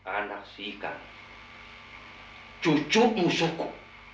anak si ikang cucu usahaku